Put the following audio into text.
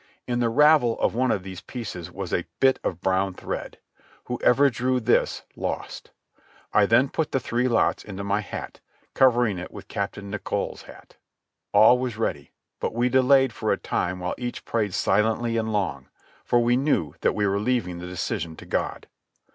In the ravel of one of these pieces was a bit of brown thread. Whoever drew this lost. I then put the three lots into my hat, covering it with Captain Nicholl's hat. All was ready, but we delayed for a time while each prayed silently and long, for we knew that we were leaving the decision to God.